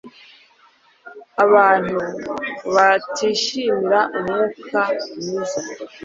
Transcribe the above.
abantu batishimira Umwuka mwiza